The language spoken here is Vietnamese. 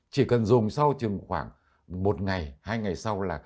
chỉ cần dùng sau chừng khoảng một ngày hai ngày sau là